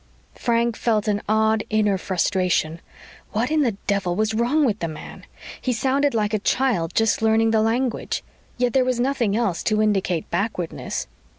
Frank felt an odd, inner frustration. What in the devil was wrong with the man? He sounded like a child just learning the language. Yet there was nothing else to indicate backwardness.